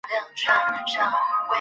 刈羽郡在历史上曾经出现过两次。